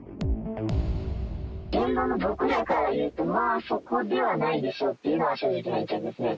現場の僕らからいうと、まあ、そこではないでしょっていうのが正直な意見ですね。